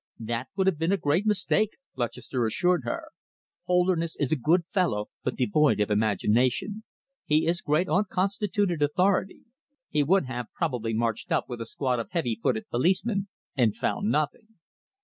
"That would have been a great mistake," Lutchester assured her. "Holderness is a good fellow but devoid of imagination. He is great on constituted authority. He would have probably marched up with a squad of heavy footed policemen and found nothing."